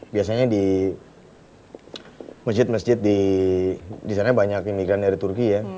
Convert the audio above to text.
biasanya di masjid masjid di sana banyak imigran dari turki ya